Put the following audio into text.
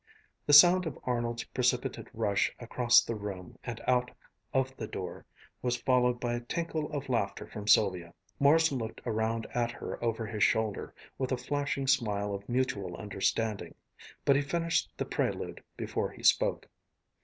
The sound of Arnold's precipitate rush across the room and out of the door was followed by a tinkle of laughter from Sylvia. Morrison looked around at her over his shoulder, with a flashing smile of mutual understanding, but he finished the prelude before he spoke.